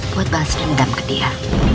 buat balas dendam ke dia